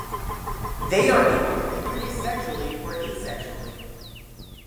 They are able to reproduce sexually or asexually.